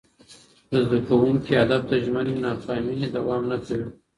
که زده کوونکي هدف ته ژمن وي، ناکامي دوام نه کوي.